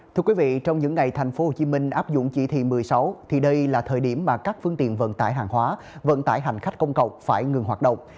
thưa quý vị trong những ngày tp hcm áp dụng chỉ thị một mươi sáu thì đây là thời điểm mà các phương tiện vận tải hàng hóa vận tải hành khách công cộng phải ngừng hoạt động